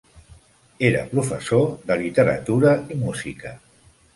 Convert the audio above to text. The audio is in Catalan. Era professor de literatura i música.